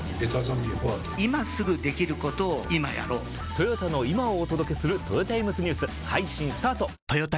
トヨタの今をお届けするトヨタイムズニュース配信スタート！！！